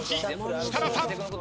設楽さん。